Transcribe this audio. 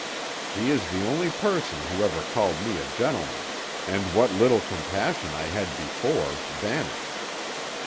"She is the only person who ever called me a gentleman, and what little compassion I had before vanished.